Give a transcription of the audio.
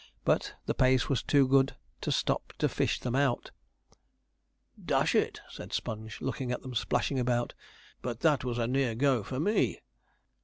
But the pace was too good to stop to fish them out. 'Dash it,' said Sponge, looking at them splashing about, 'but that was a near go for me!'